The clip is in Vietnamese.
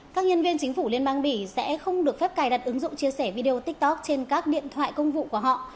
các nhân viên chính phủ liên bang bỉ sẽ không được phép cài đặt ứng dụng chia sẻ video tiktok trên các điện thoại công vụ của họ